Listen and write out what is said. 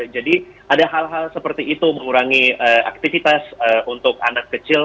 jadi ada hal hal seperti itu mengurangi aktivitas untuk anak kecil